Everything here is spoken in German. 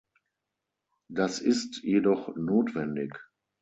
Das ist jedoch notwendig.